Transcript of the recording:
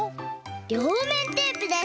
りょうめんテープです！